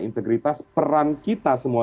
integritas peran kita semua